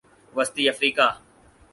وسطی افریقہ